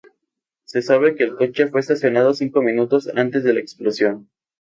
Se sabe que el coche fue estacionado cinco minutos antes de la explosión.